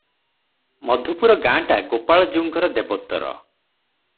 ମଧୁପୁର ଗାଁଟା ଗୋପାଳଜୀଉଙ୍କର ଦେବୋତ୍ତର ।